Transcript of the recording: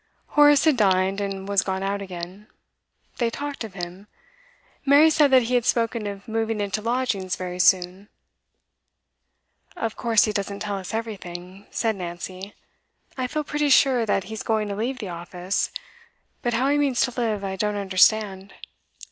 Horace had dined, and was gone out again. They talked of him; Mary said that he had spoken of moving into lodgings very soon. 'Of course he doesn't tell us everything,' said Nancy. 'I feel pretty sure that he's going to leave the office, but how he means to live I don't understand.